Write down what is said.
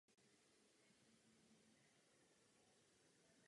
Vjezd byl umožněn od severu i od jihu u jihovýchodního rohu vozovny.